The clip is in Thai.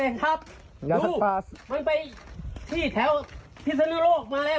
มันไปที่แถวที่สุโลกมาแล้ว